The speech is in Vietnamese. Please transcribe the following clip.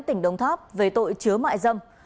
tỉnh đồng tháp về tội chứa mại dâm